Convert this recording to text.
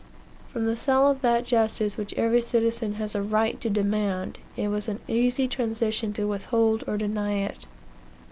From the sale of that justice which every citizen has a right to demand, it was an easy transition to withhold or deny it.